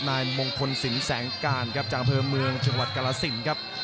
นายมงคลศิลป์แสงการจังเผลอเมืองจังหวัดกรสินทร์ครับ